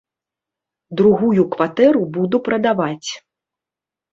Другую кватэру буду прадаваць.